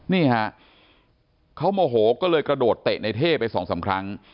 นี่ฮะเขาโมโหก็เลยกระโดดเตะในเท่ไปสองสามครั้ง